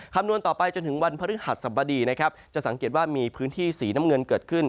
คำนวณต่อไปจนถึงวันพฤหัสสบดีนะครับจะสังเกตว่ามีพื้นที่สีน้ำเงินเกิดขึ้น